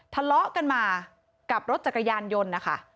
ทะเลาะกันมากับรถจักรยานยนต์นะคะ